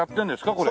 これ。